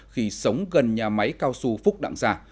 khi sống gần nhà máy cao su phúc đặng gia